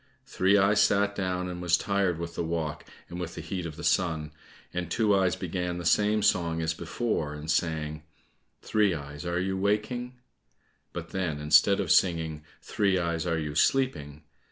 Three eyes sat down and was tired with the walk and with the heat of the sun, and Two eyes began the same song as before, and sang, "Three eyes, are you waking?" but then, instead of singing, "Three eyes, are you sleeping?"